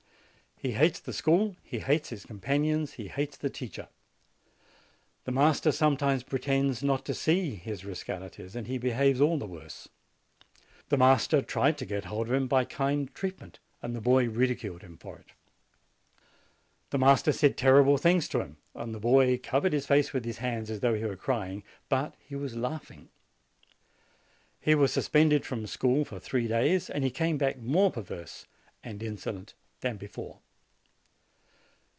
He hates the school, he hates his companions, he hates the teacher. The master sometimes pretends not to see his rascalities, and he behaves all the worse. The master tried to get a hold on him by kind treatment, and the boy ridiculed him for it. The master said terrible things to him, and the boy covered his face with his hands, as though he were crying; but he was laughing. He was suspended from school for three days, and he came back more perverse and insolent than before.